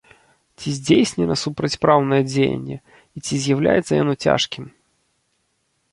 Ці здзейснена супрацьпраўнае дзеянне і ці з'яўляецца яно цяжкім?